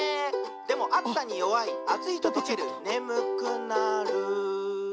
「でもあつさによわいあついととけるねむくなる」